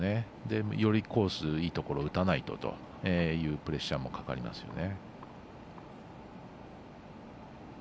より、コースをいいところ打たないとというプレッシャーもかかりますよね。